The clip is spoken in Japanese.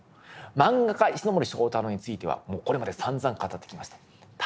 萬画家石森章太郎についてはもうこれまでさんざん語ってきました。